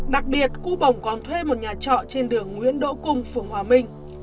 đặc biệt cu bổng còn thuê một nhà trọ trên đường nguyễn đỗ cùng phường hòa minh